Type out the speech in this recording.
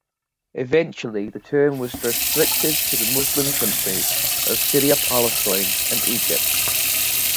Eventually the term was restricted to the Muslim countries of Syria-Palestine and Egypt.